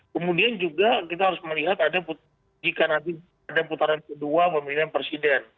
kemudian juga kita harus melihat ada jika nanti ada putaran kedua pemilihan presiden